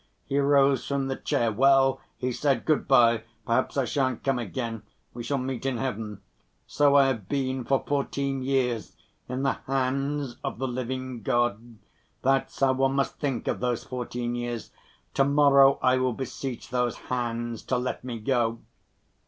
He rose from the chair. "Well!" he said, "good‐by, perhaps I shan't come again ... we shall meet in heaven. So I have been for fourteen years 'in the hands of the living God,' that's how one must think of those fourteen years. To‐morrow I will beseech those hands to let me go."